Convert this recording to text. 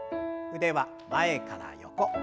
腕は前から横。